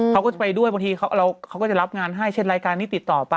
เขาก็จะไปด้วยบางทีเขาก็จะรับงานให้เช่นรายการนี้ติดต่อไป